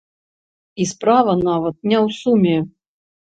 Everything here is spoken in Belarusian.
І справа нават не ў суме!